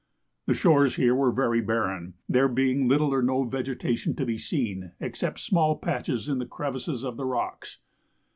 The shores here were very barren, there being little or no vegetation to be seen, except small patches in the crevices of the rocks.